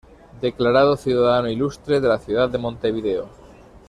Declarado ciudadano ilustre de la ciudad de Montevideo.